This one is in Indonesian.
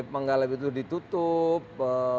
manggala bp tujuh ditutup